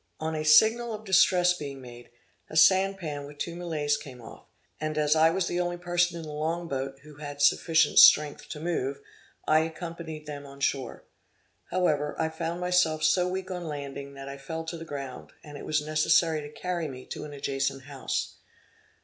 On a signal of distress being made, a sanpan with two Malays came off, and as I was the only person in the long boat who had sufficient strength to move, I accompanied them on shore. However, I found myself so weak on landing that I fell to the ground, and it was necessary to carry me to an adjacent house.